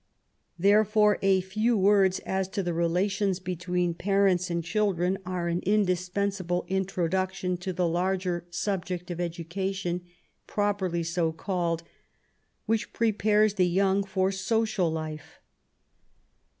Theref ore a few words as to the relations between parents and children are an indispensable introduction to the larger subject of education, properly so called, which prepares the young for social life.